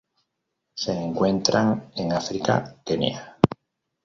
Se encuentran en África: Kenia.